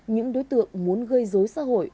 những đối tượng muốn gây dối xã hội